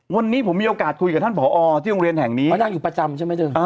วันนี้ผมมีโอกาสคุยกับท่านผอที่โรงเรียนแห่งนี้เขานั่งอยู่ประจำใช่ไหมเธอ